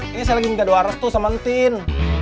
ini saya lagi minta doa restu sama tin